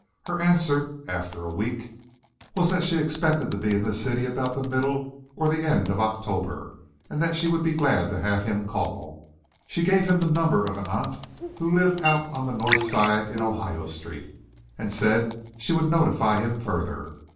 Her answer, after a week, was that she expected to be in the city about the middle or the end of October and that she would be glad to have him call. She gave him the number of an aunt who lived out on the North Side in Ohio Street, and said she would notify him further.